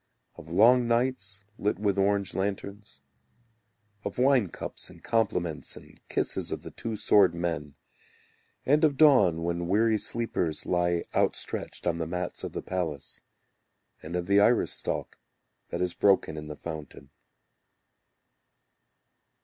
Of long nights lit with orange lanterns, Of wine cups and compliments and kisses of the two sword men. And of dawn when weary sleepers Lie outstretched on the mats of the palace, And of the iris stalk that is broken in the fountain.